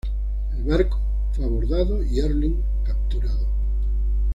El barco fue abordado y Erling capturado.